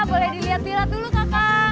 boleh dilihat lihat dulu kakak